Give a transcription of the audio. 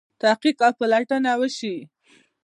تحقیق او پلټنه وشي.